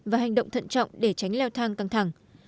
và hành động thận trọng để tránh leo thang căng thẳng